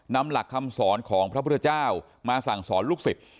นำหลักคำสอนของพระพุทธเจ้ามาสั่งสอนลูกศิษย์